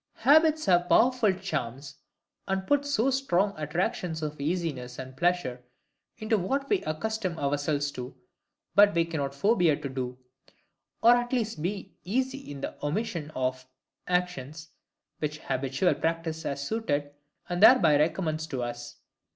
Habits have powerful charms, and put so strong attractions of easiness and pleasure into what we accustom ourselves to, that we cannot forbear to do, or at least be easy in the omission of, actions, which habitual practice has suited, and thereby recommends to us.